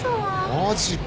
マジか。